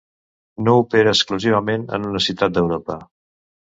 No opera exclusivament en una ciutat d'Europa.